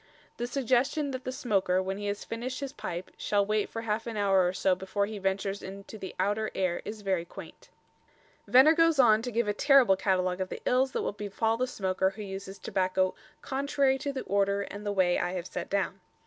The suggestion that the smoker, when he has finished his pipe, shall wait for half an hour or so before he ventures into the outer air is very quaint. Venner goes on to give a terrible catalogue of the ills that will befall the smoker who uses tobacco "contrary to the order and way I have set down."